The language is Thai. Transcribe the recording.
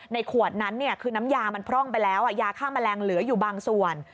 ขวดนั้นคือน้ำยามันพร่องไปแล้วยาฆ่าแมลงเหลืออยู่บางส่วน